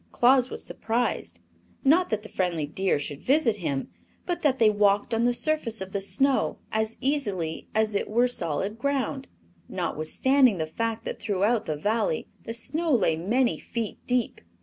Claus was surprised; not that the friendly deer should visit him, but that they walked on the surface of the snow as easily as if it were solid ground, notwithstanding the fact that throughout the Valley the snow lay many feet deep.